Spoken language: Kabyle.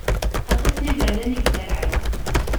Aṭas n iberdan i iderɛen.